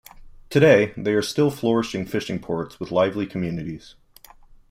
Today, they are still flourishing fishing ports with lively communities.